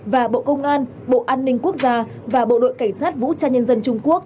và bộ công an bộ an ninh quốc gia và bộ đội cảnh sát vũ trang nhân dân trung quốc